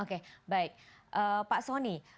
oke baik pak soni